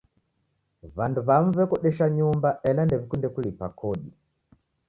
W'andu w'amu w'ekodesha nyumba ela ndew'ikunde kulipa kodi.